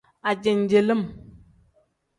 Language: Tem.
Ajenjelim.